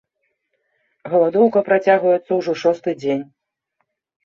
Галадоўка працягваецца ўжо шосты дзень.